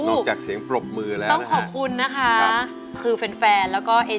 จากเสียงปรบมือแล้วต้องขอบคุณนะคะคือแฟนแฟนแล้วก็เอ